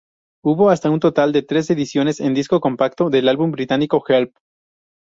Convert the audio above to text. Hubo hasta un total de tres ediciones en disco compacto del álbum británico "Help!".